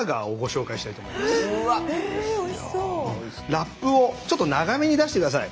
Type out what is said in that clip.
ラップをちょっと長めに出して下さい。